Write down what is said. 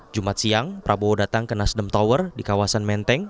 jumat siang prabowo datang ke nasdem tower di kawasan menteng